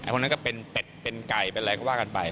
พวกนั้นก็เป็นเป็ดเป็นไก่เป็นอะไรก็ว่ากันไป